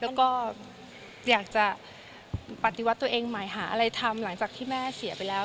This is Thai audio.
แล้วก็อยากจะปฏิวัติตัวเองใหม่หาอะไรทำหลังจากที่แม่เสียไปแล้ว